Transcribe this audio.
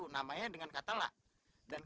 namanya dengan kata laki laki